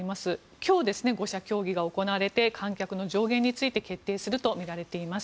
今日、５者協議が行われ観客の上限について決定するとみられています。